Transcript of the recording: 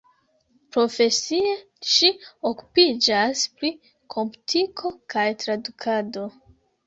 Profesie ŝi okupiĝas pri komputiko kaj tradukado.